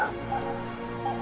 kamu bisa berbincang dengan semuanya